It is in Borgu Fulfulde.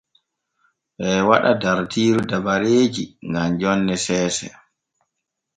Ɓee waɗa dartiiru dabareeji gam jonne seese.